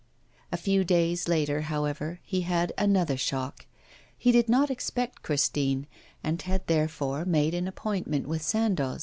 A few days later, however, he had another shock. He did not expect Christine, and had therefore made an appointment with Sandoz.